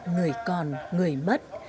người còn người mất